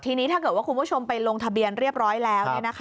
ทีนี้ถ้าเกิดว่าคุณผู้ชมไปลงทะเบียนเรียบร้อยแล้ว